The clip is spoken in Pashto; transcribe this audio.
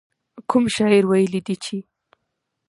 کوم شاعر ويلي دي چې.